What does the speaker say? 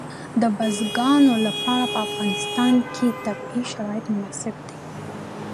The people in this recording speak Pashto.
د بزګانو لپاره په افغانستان کې طبیعي شرایط مناسب دي.